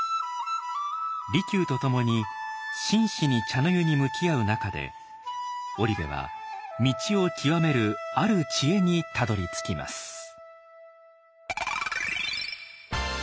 利休と共に真摯に茶の湯に向き合う中で織部は道を究めるある知恵にたどりつきます。